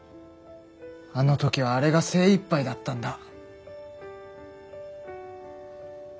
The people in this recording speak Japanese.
あの時はあれが精いっぱいだったんだ。